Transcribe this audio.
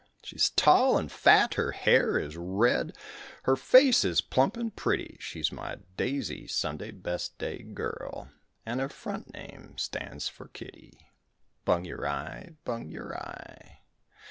She's tall and fat, her hair is red, Her face is plump and pretty, She's my daisy, Sunday best day girl, And her front name stands for Kitty. Bung yer eye: bung yer eye.